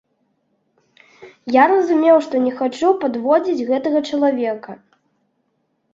Я разумеў, што не хачу падводзіць гэтага чалавека.